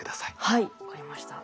はい分かりました。